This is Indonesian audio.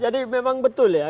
jadi memang betul ya